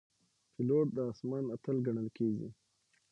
پیلوټ د آسمان اتل ګڼل کېږي.